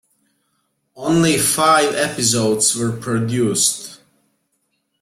Only five episodes were produced.